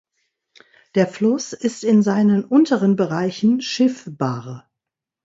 Der Fluss ist in seinen unteren Bereichen schiffbar.